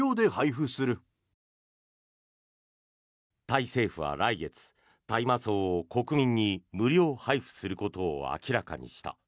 タイ政府は来月、大麻草を国民に無料配布することを明らかにした。